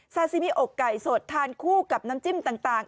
ซาซิมิอกไก่สดทานคู่กับน้ำจิ้มต่าง